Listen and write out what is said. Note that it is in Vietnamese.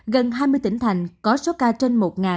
gần hai mươi tỉnh thành có số ca trên một